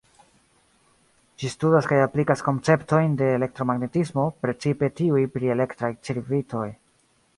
Ĝi studas kaj aplikas konceptojn de elektromagnetismo, precipe tiuj pri elektraj cirkvitoj.